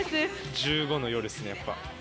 １５の夜ですね、やっぱ。